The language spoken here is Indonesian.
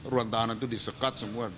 ruang tahanan itu disekat semua